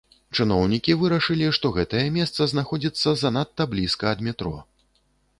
Чыноўнікі вырашылі, што гэтае месца знаходзіцца занадта блізка ад метро.